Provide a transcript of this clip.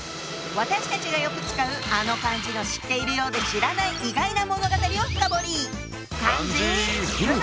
私たちがよく使うあの漢字の知っているようで知らない意外な物語を深堀り！